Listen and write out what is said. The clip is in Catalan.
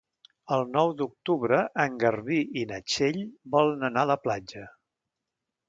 El nou d'octubre en Garbí i na Txell volen anar a la platja.